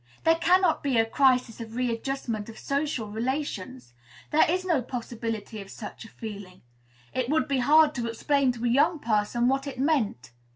There cannot be a crisis of readjustment of social relations: there is no possibility of such a feeling; it would be hard to explain to a young person what it meant.